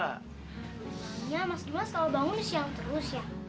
ya mas dimas kalau bangun siang terus ya